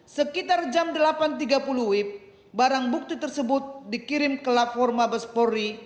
sekitar jam delapan tiga puluh wib barang bukti tersebut dikirim ke lapor mabespori